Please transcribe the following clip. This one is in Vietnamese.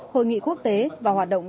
hội nghị quốc tế và hoạt động